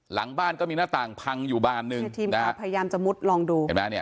หลังบ้านก็มีหน้าต่างพังอยู่บานหนึ่งคือทีมข่าวพยายามจะมุดลองดูเห็นไหมเนี่ย